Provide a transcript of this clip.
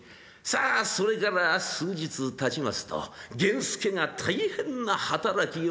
さあそれから数日たちますと源助が大変な働きようでございまして。